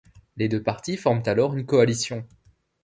Les deux partis forment alors une coalition.